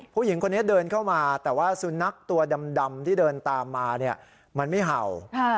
ผู้หญิงคนนี้เดินเข้ามาแต่ว่าสุนัขตัวดำที่เดินตามมาเนี่ยมันไม่เห่า